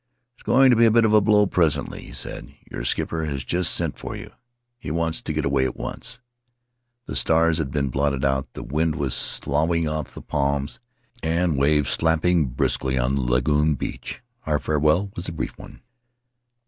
"There's going to be a bit of a blow presently," he said. "Your skipper has just sent for you. He wants to get away at once." The stars had been blotted out. The wind was soughing in the palms, and the waves slapping briskly on the lagoon beach. Our farewell was a brief one.